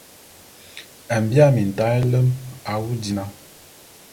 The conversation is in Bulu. Mbia mintaé nlem awu dina!